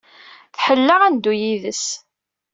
Tḥellel-aɣ ad neddu yid-s.